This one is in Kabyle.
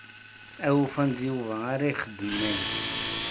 Awufan d Yuba ara ixeddmen aya.